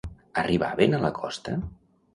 Arribaven a la costa?